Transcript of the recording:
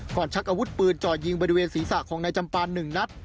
ก่อนชักอาวุธปืนจ่อยยิงบริเวณศีรษะของนายจำปาวันหนึ่งนัด